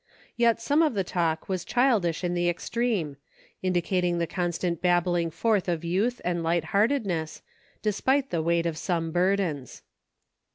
Yet some of the talk was childish in the extreme, indicating the constant bubbling forth of youth and light heartedness, de spite the weight of some burdens.